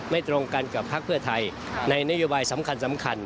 ตรงกันกับพักเพื่อไทยในนโยบายสำคัญ